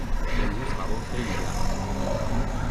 امروز هوا خیلی گرم است